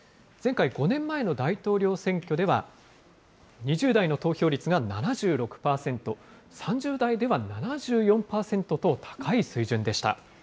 前回・５年前の大統領選挙では、２０代の投票率が７６％、３０代では７４％と、高い水準でした。